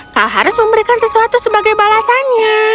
kau harus memberikan sesuatu sebagai balasannya